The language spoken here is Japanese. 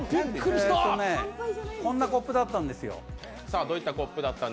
こんなコップだったんですよ。